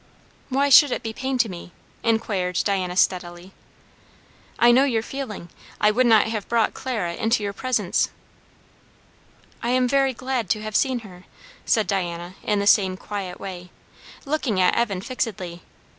"Why should it be pain to me?" inquired Diana steadily. "I know your feeling I would not have brought Clara into your presence" "I am very glad to have seen her," said Diana in the same quiet way, looking at Evan fixedly.